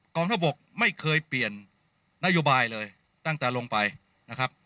ทบกไม่เคยเปลี่ยนนโยบายเลยตั้งแต่ลงไปนะครับ